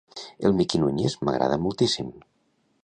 El Miki Núñez m'agrada moltíssim.